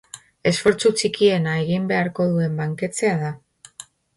Esfortzu txikiena egin beharko duen banketxea da.